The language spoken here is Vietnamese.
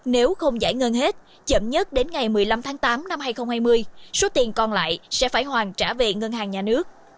nếu không giải ngân hết chậm nhất đến ngày một mươi năm tháng tám năm hai nghìn hai mươi số tiền còn lại sẽ phải hoàn trả về ngân hàng nhà nước